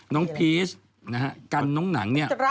น้องพีชกันน้องหนังเนี่ย